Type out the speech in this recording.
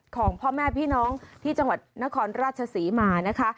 ของพ่อแม่พี่น้องที่จังหวัดนครราชศรีมานะคะ